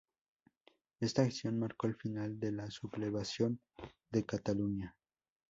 Esta acción marco el final de la sublevación de Cataluña.